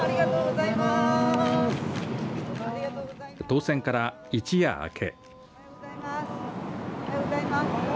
当選から一夜明け。